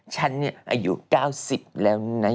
ฉันอายุ๙๐แล้วนี่นะ